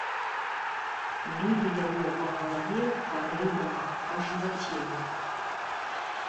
Білі яго па галаве, па рэбрах, па жываце.